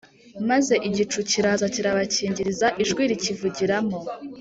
Maze igicu kiraza kirabakingiriza ijwi rikivugiramo